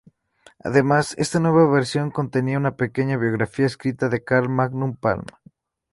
Además, esta nueva versión contenía una pequeña biografía escrita por Carl Magnus Palm.